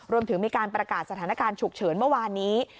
รวมถึงมีการประกาศสถานการณ์ฉุกเฉินเมื่อวานนี้